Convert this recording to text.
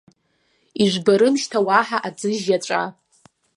Ижәбарым шьҭа уаҳа аӡыжь иаҵәа.